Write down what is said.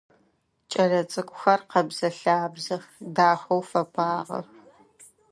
Кӏэлэцӏыкӏухэр къэбзэ-лъабзэх, дахэу фэпагъэх.